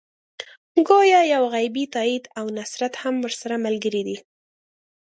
ګویا یو غیبي تایید او نصرت هم ورسره ملګری دی.